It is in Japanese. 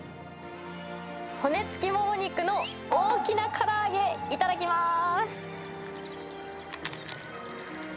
骨付きもも肉の大きなから揚げ、いただきます。